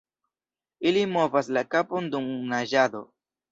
Ili movas la kapon dum naĝado.